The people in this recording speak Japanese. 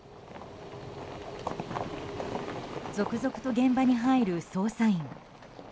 続々と現場に入る捜査員。